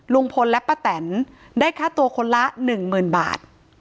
ลุงพลและป้าแตนได้ค่าตัวคนละ๑๐๐๐บาท